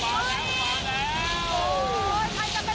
มาแล้ว